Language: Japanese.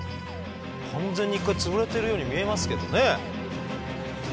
完全に一回潰れてるように見えますけどね。